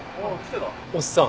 おっさん？